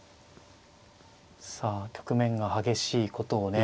さあ局面が激しいことをね